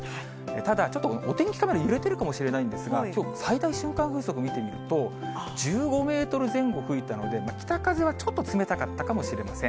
ただ、ちょっとお天気カメラ、揺れてるかもしれないんですが、きょう、最大瞬間風速見てみると、１５メートル前後吹いたので、北風はちょっと冷たかったかもしれません。